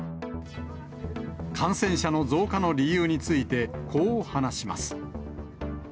感染者の増加の理由について、こう話します。